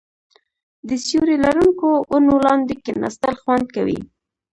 د سیوري لرونکو ونو لاندې کیناستل خوند کوي.